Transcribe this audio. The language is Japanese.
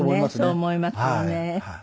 そう思いますよね。